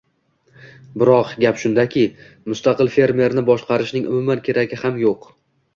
Biroq, gap shundaki, mustaqil fermerni boshqarishning umuman keragi ham yo‘q.